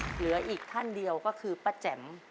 เหลืออีกท่านเดียวก็คือป้าแจ๋ม